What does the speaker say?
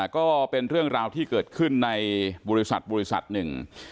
ก็เป็นเรื่องราวที่เกิดขึ้นในบริษัทบริษัทหนึ่ง